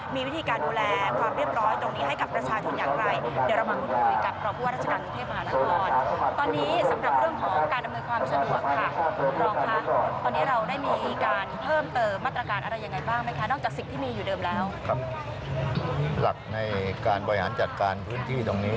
มีวิธีการดูแลความเรียบร้อยตรงนี้ให้กับประชาทุนอย่างไร